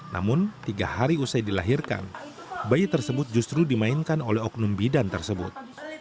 namun tiga hari usai dilahirkan bayi tersebut justru dimainkan oleh oknum bidan tersebut